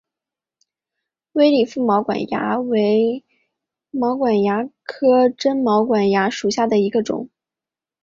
微粒腹毛管蚜为毛管蚜科真毛管蚜属下的一个种。